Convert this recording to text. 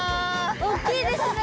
おっきいですね